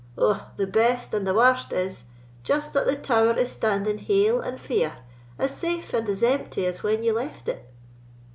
"Ou, the best and the warst is, just that the tower is standing hail and feir, as safe and as empty as when ye left it."